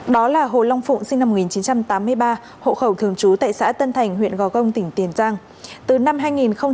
đó là hồ long phụng sinh năm một nghìn chín trăm tám mươi ba hộ khẩu thường trú tại xã tân thành huyện gò công tỉnh tiền giang